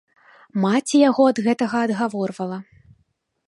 Маці яго ад гэтага адгаворвала.